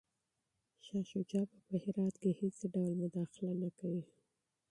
شاه شجاع به په هرات کي هیڅ ډول مداخله نه کوي.